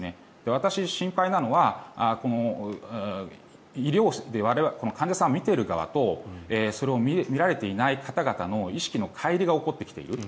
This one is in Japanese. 私、心配なのは患者さんを診ている側とそれを診られていない方々の意識のかい離が起こってきている。